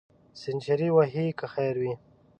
سینچري وهې که خیر وي.